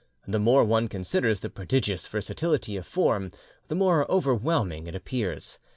The more one considers this prodigious versatility of form, the more overwhelming it appears.